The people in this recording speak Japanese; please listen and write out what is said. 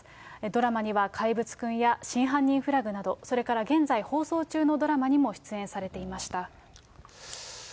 ドラマには怪物くんや真犯人フラグなど、それから現在、放送中のドラマにも出演されていました。